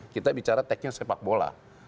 kita bicara tag nya sepak bola